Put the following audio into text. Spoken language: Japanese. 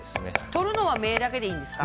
取るのは目だけでいいんですか？